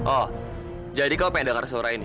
oh jadi kau pengen dengar suara ini